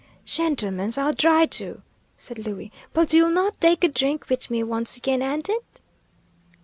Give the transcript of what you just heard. "Shentlemens, I'll dry do," said Louie, "but you will not dake a drink mit me once again, aind it?"